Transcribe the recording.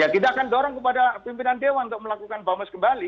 kita akan dorong kepada pimpinan dewan untuk melakukan bamus kembali